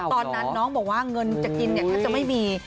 ตอนนั้นน้องบอกว่าเงินจะกินแทบจะไม่มี